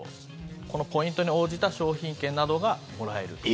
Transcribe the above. このポイントに応じた商品券などがもらえる。